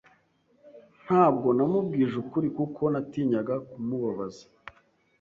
Ntabwo namubwije ukuri kuko natinyaga kumubabaza.